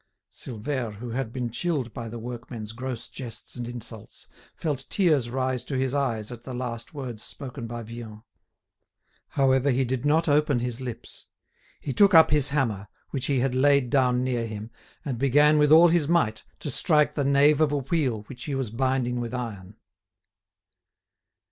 Silvère, who had been chilled by the workmen's gross jests and insults, felt tears rise to his eyes at the last words spoken by Vian. However, he did not open his lips. He took up his hammer, which he had laid down near him, and began with all his might to strike the nave of a wheel which he was binding with iron.